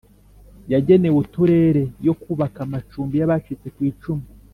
Yagenewe uturere yo kubaka amacumbi y abacitse ku icumu